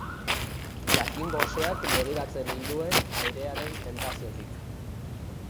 Jakin-goseak begiratzen ninduen hiraren tentaziotik.